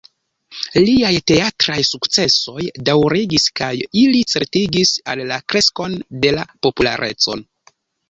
Liaj teatraj sukcesoj daŭrigis kaj ili certigis al li kreskon de la populareco.